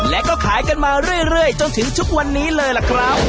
และก็ขายกันมาเรื่อยจนถึงทุกวันนี้เลยล่ะครับ